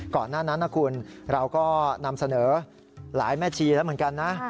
ก่อนหน้านั้นนะคุณเราก็นำเสนอหลายแม่ชีแล้วเหมือนกันนะ